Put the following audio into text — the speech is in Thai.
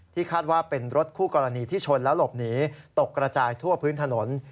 คาดว่าเป็นรถคู่กรณีที่ชนแล้วหลบหนีตกกระจายทั่วพื้นถนน